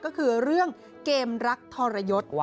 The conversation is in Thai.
ก็คือเรื่องเกมรักทรยศ